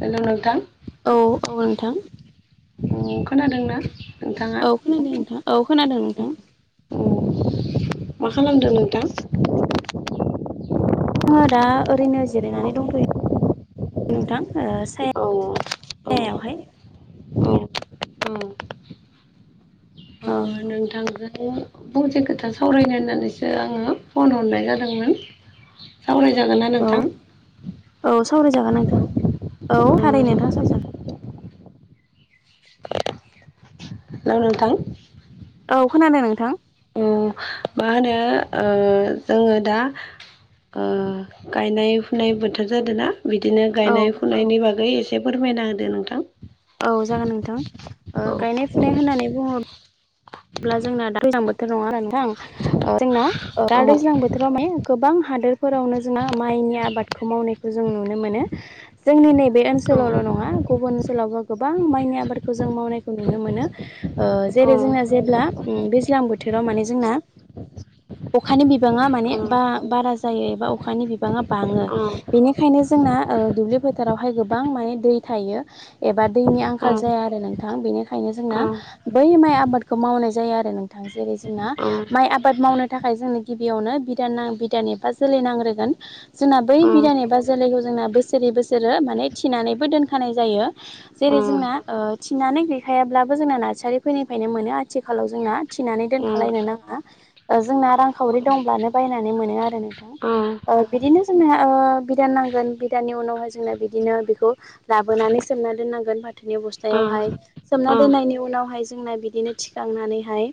Hello नोंथां औ औ नोंथां खोनादोंना नोंथांङा औ खोनादों नोंथां औ खोनादों नोंथां औ मा खालामदों नोंथां आंङो दा ओरैनो जिरायनानै दंथ'यो नोंथां ओ औ औ सायायावहाय औ ओ नोंथांजों फंसे खोथा सावरायनो होननानैसो आंङो फन हरनाय जादोंमोन सावराय औ औ सावरायजागोन नोंथां औ ओ थारै नोंथांङा सावरायजागोन हेलौ नोंथां औ खोनादों नोंथां ओ मा होनो जोंङो दा ओ गायनाय फुनाय बोथोर जादों ना बिदिनो औ गायनाय फुनायनि बागै एसे फोरमायना होदो नोंथां औ जागोन नोंथां ओ गायनाय फुनाय होननानै बुंङो ब्ला जोंना दा दैज्लां बोथोर नंङा होमबा नोंथां ओ जोंना दा दैज्लां औ बोथोराव माने गोबां हादोरफोरावनो जोंङो माइनि आबादखौ मावनायखौ जों नुनो मोनो जोंनि नैबे ओनस ओनसोलावल' नंङा गुबुन ओनसोलावबो गोबां माइनि आबादखौ जों मावनायखौ नुनो मोनो औ अब्ला दैज्लां बोथोराव माने जोंना अखानि बिबांङा माने औ बा-बारा जायो एबा अखानि बिबाङा बांङो बेनिखायनो जोंना ओ दुब्लि फोथारावहाय गोबां माने दै थायो एबा दैनि आंखाल जाया आरो नोंथां बेनिखायनो जोंना बै माइ आबाद खौ मावनाय जायो आरो नोंथां जेरै जोंना माइ आबाद मावनो थाखाय जोंनो गिबियावनो बिदान ना बिदान एबा जोलै नांग्रोगोन जोंना बै बिदान एबा जोलैखौ जों बोसोरै बोसोर माने थिनानै दोनखानाय जायो जेरै जोंना ओ थिनानै गैखायाब्लाबो जोंना नार्सारिफोरनिफ्रायनो मोनो आ आथिखालाव जोंना थिनानै दोनखलायनो नांङा ओ जोंना रांखावरि दंब्लानो बायनानै मोनो आरो नोंथां ओ बिदिनो जोंनो ओ बिदान नांगोन बिदाननि उनावहाय जोंनो बिदिनो बेखौ लाबोनानै सोमना दोननांगोन फाथोनि अबस्थायावहाय सोमना दोननायनि उनावहाय जोंना बिदिनो थिखांनानैहाय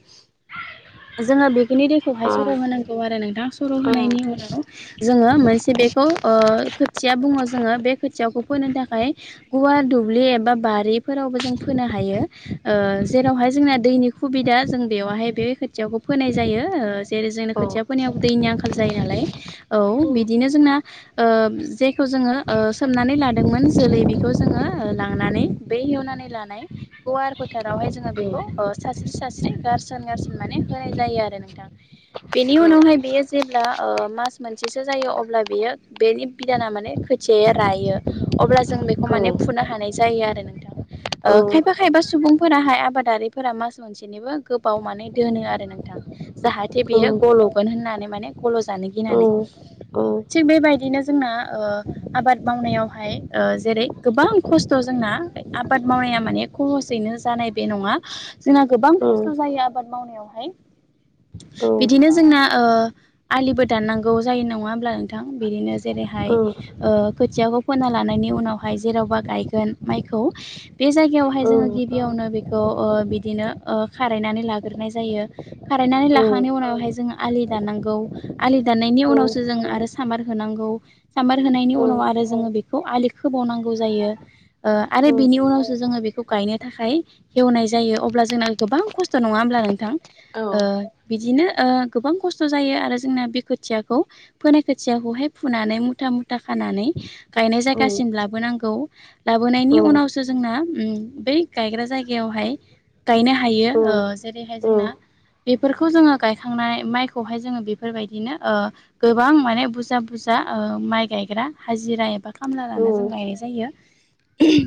जोंङो बेखिनि दैखौहाय सर' होनांगौ आरो नोंथां सर' होनायनि उनाव जोंङो मोनसे बेखौ ओ खोथिया बुंङो जोंङो बे खोथियाखौ फोनो थाखाय गुवार दुब्लि एबा बा बारिफोरावबो जों फोनो हायो ओ जेरावहाय जोंना दैनि सुबिदा जों बेवहाय बे खोथियाखौ फोनाय जायो ओ जेरै जोंनो खोथिया फोनायाव दैनि आंखाल जाय योनालाय औ बिदिनो जोंना ओ जेखौ जोंङो ओ सोमनानै लादोंमोन जोलै बेखौ जोंङो ओ लांनानै बै एवनानै लानाय गुवार फोथारावहाय जोंङो बेखौ ओ सास्रि सास्रि गारसोन गारसन माने होनाय जायो आरो नोंथां बेनि उनावहाय बेयो जेब्ला ओ मास मोनसेसो जायो अब्ला बेयो बेनि बिदाना माने खोथियाया रायो अब्ला जों बेखौ माने फुनो हानाय जायोआरो नोंथां ओ खायफा खायफा सुबुंफोराहाय आबादारि फोर मास मोनसेनिबो गोबाव माने दोनो आरो नोंथां जाहाथे बेयो गल'गोन होननानै माने गल' जानो गिनानै थिग बेबायदिनो जोंना ओ आबाद मावनायावहाय ओ जेरै गोबां खस्थ' जोंना आबाद मावनाया माने खहसयैनो जानाय बे नंङा। जोंना गोबां खस्थ' जायो आबाद मावनायावहाय। बिदिनो जोंना आलिबो दाननांगौ जायो नंङा होमब्ला नोंथां बिदिनो जेरैहाय ओ खोथियाखौ फोनना लानायनि उनावहाय जेरावबा गायगोन माइखौ बे जायगायावहाय जोंङो गिबियावनो बेखौ ओ बिदिनो ओ खारायनानै लाग्रोनाय जायो खारायनानै लाखांनायनि उनावहाय जोङो आलि दानांगौ आलि दाननायनि उनावसो जोङो आरो सामबार होनांगौ सामबार होनायनि उनाव आरो जोङो बेखौ आलि खोबावनांगौ जायो। आरो बिनि उनावसो जोङो बेखौ गायनो थाखाय हेवनाय जायो अब्ला जोंना गोबां खस्थ' नङा होमब्ला नोंथां बिदिनो गोबां खस्थ'। खस्थ' जायो आरो जोंना बे खोथियाखौ फोनाय खोथियाखौहाय फुनानै मुथा मुथा खानानै गायनाय जायगासिम लाबोनांगौ लाबोनायनि उनावसो जोंना बै गायग्रा जायगा जायगायावहाय गायनो हायो जेरैहाय जोंना। बेफोरखौ जोङो गायखांनानै माइखौहाय जोङो बेफोरबायदिनो गोबां माने बुरजा बुरजा दा माइ गायग्रा हाजिरा एबा खामला लाना जों गायनाय जायो।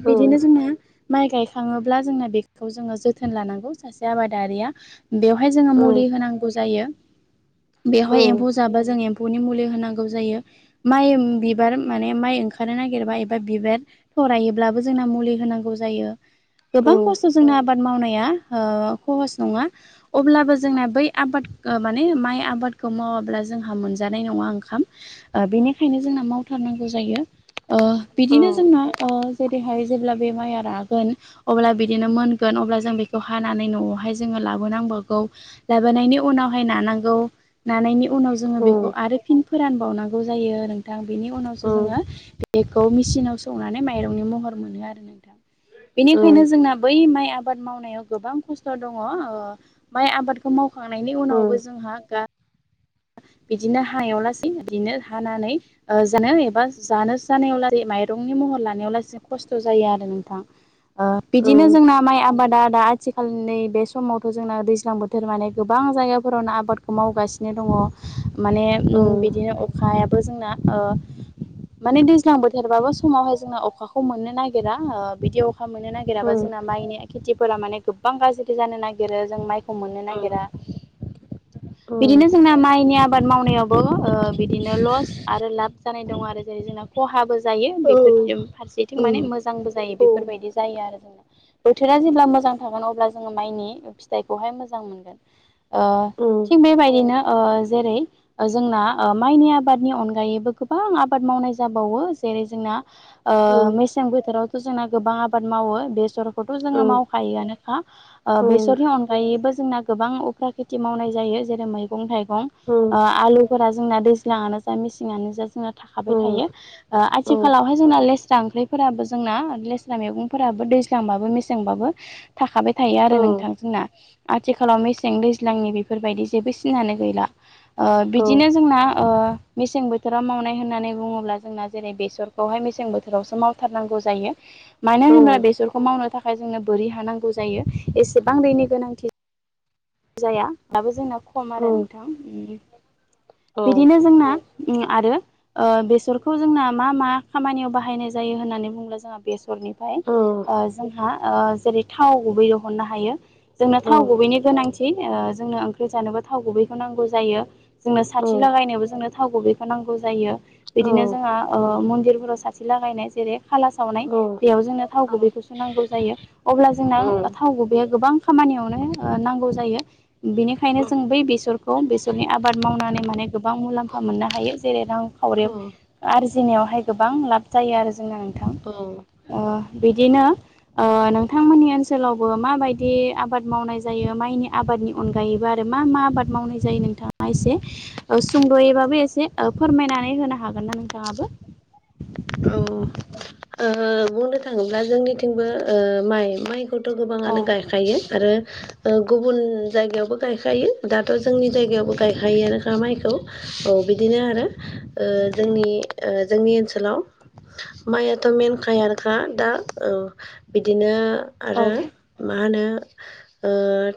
बिदिनो जोंना माइ गायखाङोब्ला जोंना बेखौ जोङो जोथोन लानांगौ सासे आबादारिया बेवहाय जोङो मुलि होनांगौ जायो। बेवहाय एम्फौ जाबा जों एम्फौनि मुलि होनांगौ जायो माइ बिबार माने माइ ओंखारनो नागिरोब्ला एबा बिबार थराइयोब्लाबो जों ना मुलि होनांगौ जायो गोबां। खस्थ' जोंनो आबाद मावनाया कहस नङा अब्लाबो जोंना बै आबाद माने माइ आबादखौ मावाब्ला जोंहा मोनजानाय नङा ओंखाम। बेनिखायनो जोंना मावथारनांगौ जायो ओ बिदिनो जोंना ओ जेरैहाय जेब्ला बे माइया रागोन अब्ला बि बिदिनो मोनगोन अब्ला जों बिखौ हानानै न आवहाय लाबोनांगोन लाबोनांबावगोन लाबोनायनि उनावहाय नानानै नांगौ नांनायनि उनाव जोङोखौ आरो फिन फोरानबावनांगौ जायो नोंथां। बेनि उनावसो जोङो बे खौ मेचनाव सौनानै माइरंनि महर मोनो आरो नोंथां बेनिखायनो जोंना बै माइ आबाद मावनाय गोबां खस्थ दंअ आबादखौ माव मावखां नायनि उनावबो जोंहा [inaudible] बिदिनो हायाव लासै बिदिनो हानानै जानो एबा जानो जानायाव लासै माइरंनि म महर लानायाव लानो खस्थ' जायो आरो नोंथां। ओ बिदिनो जोंना माइ आबाद आ आथिखालनि बे समावथ' जोंना दैज्लां बोथोर माने गोबां जायगाफोरावनो आबादखौ मावगासिनो। दङ माने बिदिनो अखायाबो जोंना ओ माने दैज्लां बोथोरबाबो समावहाय जोङो अखाखौ मोननो नागिरा ओ बिदि अखा मखा मोननो औ नागिराबा जोंना माइनि खेथिफोरा माने गोबां गाज्रि जानो नागिरो जों माइ खौ मोननो नागिरा बिदिनो जोंना माइनि आबाद मावनायाव बिदिनो ल आरो लाब जानाय द आरो जै जोंना खहाबो जायो। जायो फारसेथिं मोजांबो जायो। बेफोरबायदि जायो आरो जोंना बोथोरा जेब्ला मोजां थागोन अब्ला जोङो माइनि फिथाइखौहाय मोजां मोनगोन। ओ थिग बेबायदिनो ओ जेरै जोंना माइनि आबादनि अनगायैबो गोबां आबाद मावनाय जाबावो जेरै जों मेसें बोथोरावथ' जों गोबां आबाद मावो बेसर खौथ जों मावखायो आनोखा बेसनि अनायैबो जोंना गोबां उफ्रा खेथि मावनाइ जायो जेरै मैगं-थाइगं ओ आलु जोंना दैज्लांआनो जा मेसेंआनो जा जोंना थाखाबाय थायो। ओ आथिखालावहाय जोंना लेस्रा ओंख्रिफोराबो जोंना लेस्रा मैगंफोराबो दैज्लाांबाबो मेसेंबाबो थाखाबाय थायो आरो नोंथां जोंना आथिखालाव मेसें दैज्लांनि बेफोरबायदि जेबो तिङानो गैला ओ बिदिनो जोंना ओ [inaudible] मेसें बोथोराव मावनाय होननानै बुङोब्ला जोंना जेरै बेसरखौहाय मेसें बोथोरावसो मावथारनांगौ जायो। मानो होनो बेसरखौ मावनो थाखाय जोंनो बोरि हा नांगौ जायो। एसेबां दैनि गोनांथि जाया दाबो जोंना खम आरो नोंथां। उम बिदिनो जोंना उम आरो ओ बेसरखौ जोंना मा मा खामानियाव बाहायनाय जायो होननानै बुङोब्ला जोंहा बे सरनिफ्राय ओ जोंहा ओ जेरै थाव गुबै दहननो हायो। जोंनो थाव गुबैनि गोनांथि [unintelligible] ओ जोंनो ओंख्रि जानोबा थाव गुबैखौ नांगौ जायो। जोंनो साथि लागायनोबो जोंनो थाव गुबैखौ नां गौ जायो बिदिनो जोंहा ओ मन्दिरफोराव साथि लागायनाय जेरै खाला सावनाय। बेयाव जोंनो थाव गुबैखौसो नांगौ जायो अब्ला जोंना थाव गुबैया गोबां खामानियावनो ओ नांगौ जायो। बिनिखायनो जों बै बेसर खौ बेसरनि आबाद मावनानै माने गोबां मुलाम्फा मोननो हायो। जेरै रां खावरियाव आरजिनायावहाय गोबां लाब जायो आरो जोंना नोंथां। औ ओ बिदिनो ओ नोंथांमोननि ओनसोलावबो माबायदि आबाद मावनाय जाय यो माइनि आबादनि अनगायैबो आरो मा मा आबाद मावनाय जायो नोंथाङा एसे ओ सुंद'यैबाबो एसे ओ फोरमायनानै होनो हागोन ना नोंथाङाबो औ ओ बुंनो थाङोब्ला जोंनिथिंबो ओ माइ माइ खौथ' अ गोबाङानो गायखायो आरो ओ गुबुन जायगायावबो गायखायो। दाथ' जोंनि जायगायावबो गायखायोनोखा माइखौ। औ बिदिनो आरो ओ जोंनि ओ जोंनि ओनसोलाव माइया थ' मेनखायानोखा दा औ बिदिनो औ आरो मा होनो ओ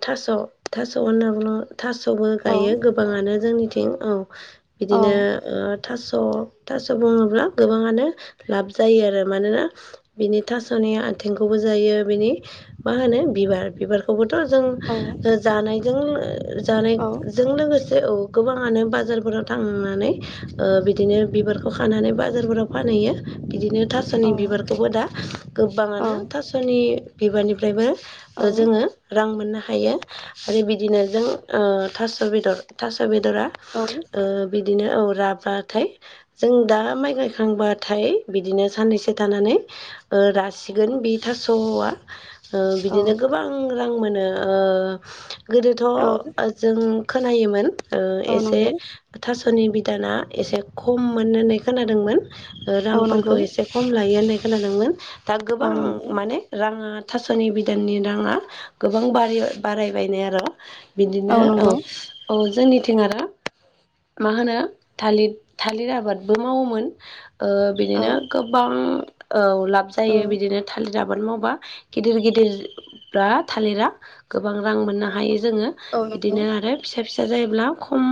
थास' थास' होनना बुङो थास'बो औ गायो गोबाङानो जोंनि थिं औ औ बिदिनो ओ थास स' थास' बुङोब्ला गोबाङानो लाब जायो आ रो मानोना बिनि थास'नि आथिंखौबो जायो बिनि मा होनो बिबार बिबारखौबो जों औ जा-जानायजों जानाय औ जों लोगोसे औ गोबाङानो बाजारफोराव थांनानै ओ बिदिनो बिबारखौ खानानै बाजारफोराव फान हैयो बिदिनो औ थास'नि बिबारखौबो दा औ गोबबाङानो थास'नि बिबारनिफ्रायबो ओ औ जोङो रां मोननो हायो आरो बिदिनो जों ओ थास' बेदर थास स' बेदरा ओ बि दिनो औ राबाथाय जों दा माइ गायखांबाथाय बिदिनो साननैसो थानानै ओ रासिगोन बे थास'आ ओ औ बिदिनो गोबां रां मोनो ओ गोदोथ' औ जों खोनायोमोन ओ औ एसे नंगौ थास' थास'नि बिदाना एसे खममोन होननाय खोनादोंमोन। ओ औ रांफोरखौ नंगौ एसे खम लायो होननाय खोनादोंमोन दा गोबां औ नंगौ माने राङा थास'नि बिदाननि राङा गोबां बारिबाय बारायबायनो आर' बिदिनो औ औ जोंनि थिं आरो मा होनो थालिर थालिर आबादबो मावोमोन ओ औ बिदिनो गोबबां औ लाब औ जायो बिदिनो थालिर आबाद मावबा गिदिर गिदिर [unintelligible] [unintelligible] थालिरा गोबां रां मोननो औ हायो जोङो औ नंगौ बिदिनो आरो फिसा फि जायोब्ला खम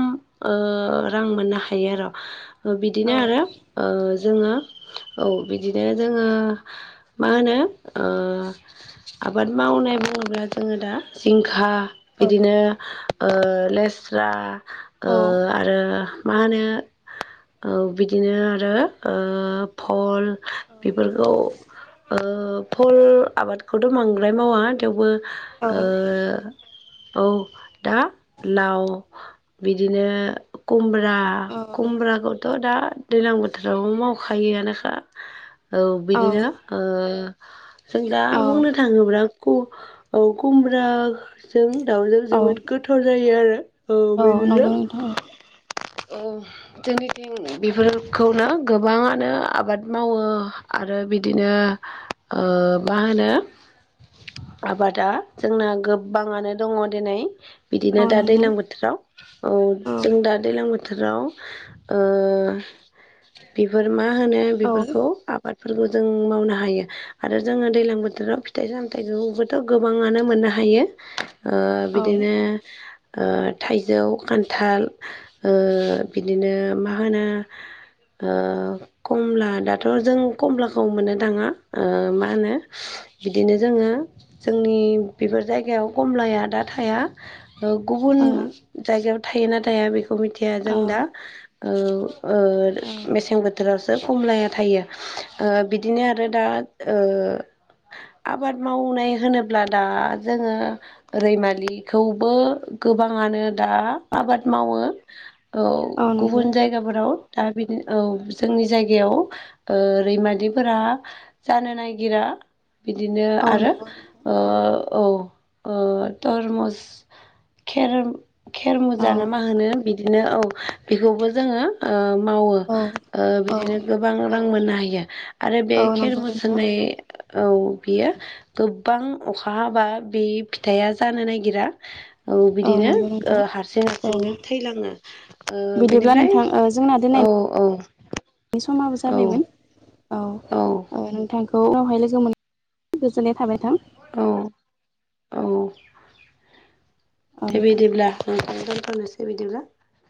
ओ रां मोननो हायो र' औ बिदिनो आरो ओ जोङो औ बिदिनो जोङो मा होनो ओ आबाद मावनाय बुङोब्ला जोङो दा जिंखा औ बिदिनो ओ लेस्रा औ ओ आरो मा होनो ओ बिदिनो आरो ओ भल बेफोरखौ ओ फल आबादखौथ' बांद्राय मावा थेवबो औ ओ औ दा लाव बिदिनो कुम्ब ब्रा कुमब्राखौथ' दा दैज्लां बोथोरावबो मावखायोआनोखा औ बिदिनो ओ जों दा बुंनो थाङोब्ला कु औ कुमब्रा जों दाउजों औ जोबोद गोथाव जायो आरो औ बिदिनो नंगौ नोंथां जोंनि थिं बेफोरखौनो गोबाङानो आ आबाद मावो आरो बिदिनो मा होनो आबादा जोंना औ गोबांङानो दंङो दिनै बिदिनो औ दा नंगौ दैज्लां बोथोराव औ जों दा दैलां बोथोराव बोथोराव बेफोर मा होनो औ बेफोरखौ आबाद फोरखौ जों मावनो हायो आरो जोंङो दैज्लां बोथोराव फिथाइ सामथायाइखौबोथ' गोबांङानो मोननो हायो हायो औ बिदिनो थाइजौ खान्थाल बिदिनो मा होनो कमला दाथ' जों कमलाखौ मोननो थांङा मा होनो बिदिनो जोंङो जोंनि बेफोर जायगायाव गमलाया दा थाया औ गुबुन जायगायाव थायो ना थाया बेखौ मिथिया जों दा मेसें बोथोरावसो खमलाया आरो थायो बिदिनो आरो दा आबाद मावनाय होनोब्ला दा जोंङो रैमालिखौबो गोबांङानो दा आबाद मावो औ नंगौ गुबुन जायगाफोराव दा बि औ जोंनि जायगायाव रैमालिफोरा जानो नागिरा बिदिनो औ आरो नंगौ औ थरमुस खेर खेर औ मुजा ना मा होनो बिदिनो औ बेखौबो जोंङो मावो औ बिदिनो गोबां रां मोननो हायो आरो बे औ खेर नंगौ मुस नोंथां होनायश्र औ बियो गोबां अखा हाबा बे फिथाइया जानो नागिरा औ बिदिनो नंगौ नोंथां हारसिं औ हारसिंनो थैलाङो बिदिब्ला बेनिफ्राय औ - औ बे समाबो औ जाबायमोन औ - औ नोंथांखौ उनावहाय लोगो मोन गोजोननाय थाबाय थां। औ - औ ‌ औ दे नोंथां बिदिब्ला दोनथनोसै बिदिब्ला नोंथां।